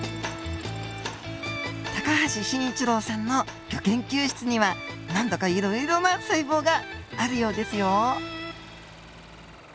高橋伸一郎さんのギョ研究室には何だかいろいろな細胞があるようですよ。